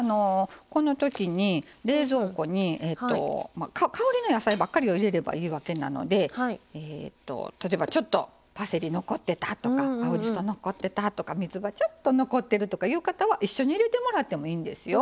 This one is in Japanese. このときに冷蔵庫に香りのいい野菜ばかりを入れればいいわけなので例えばちょっとパセリ残ってたとか青じそ残ってたとかみつばちょっと残ってるとかいう方は一緒に入れてもらってもいいんですよ。